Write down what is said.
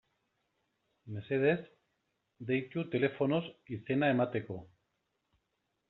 Mesedez, deitu telefonoz izena emateko.